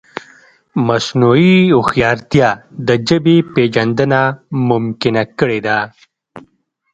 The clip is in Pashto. مصنوعي هوښیارتیا د ژبې پېژندنه ممکنه کړې ده.